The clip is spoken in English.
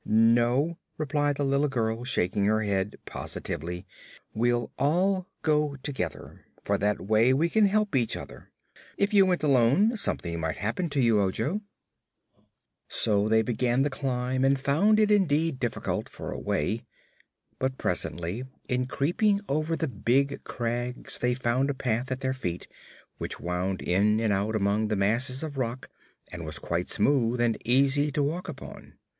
"No," replied the little girl, shaking her head positively, "we'll all go together, for that way we can help each other. If you went alone, something might happen to you, Ojo." So they began the climb and found it indeed difficult, for a way. But presently, in creeping over the big crags, they found a path at their feet which wound in and out among the masses of rock and was quite smooth and easy to walk upon.